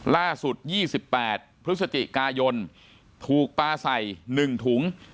ล่าสุดยี่สิบแปดพฤศจิกายนถูกปาใส่หนึ่งถุง